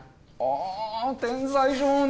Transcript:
あ天才少年。